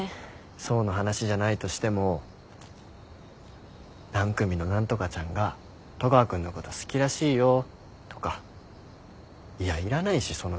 想の話じゃないとしても何組の何とかちゃんが戸川君のこと好きらしいよとかいやいらないしその情報。